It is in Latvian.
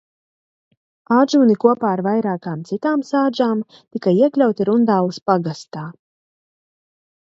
Ādžūni kopā ar vairākām citām sādžām tika iekļauti Rundāles pagastā.